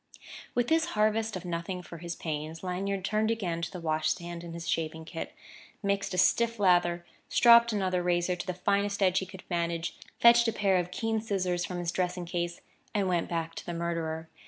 With this harvest of nothing for his pains, Lanyard turned again to the wash stand and his shaving kit, mixed a stiff lather, stropped another razor to the finest edge he could manage, fetched a pair of keen scissors from his dressing case, and went back to the murderer.